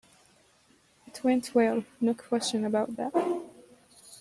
It went well; no question about that.